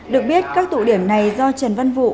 được biết các tụ điểm này do trần văn vụ